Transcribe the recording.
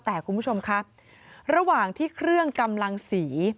แต่คุณผู้ชมครับระหว่างที่เครื่องกำลังสี